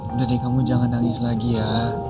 udah deh kamu jangan nangis lagi ya